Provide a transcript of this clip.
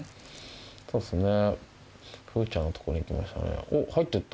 そうっすね風ちゃんのとこに行きましたね。